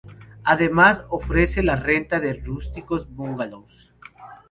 Además ofrece la renta de rústicos bungalows.